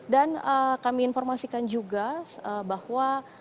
dan kami informasikan juga bahwa